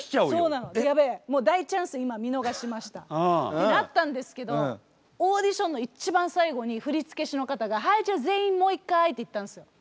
そうなのやべえもう大チャンス今見逃しましたってなったんですけどオーディションの一番最後に振付師の方がはいじゃあ全員もう一回って言ったんですよ。